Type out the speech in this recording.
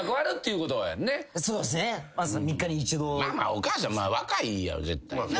お母さん若いやろ絶対な。